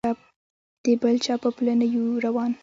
د بل چا په پله نه یو روان.